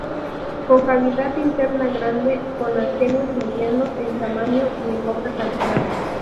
Con cavidad interna grande, con aquenios medianos en tamaño y en poca cantidad.